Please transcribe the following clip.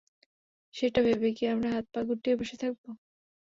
সেটা ভেবে কি আমরা হাত পা গুটিয়ে বসে থাকবো?